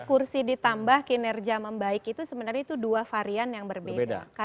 kursi ditambah kinerja membaik itu sebenarnya itu dua varian yang berbeda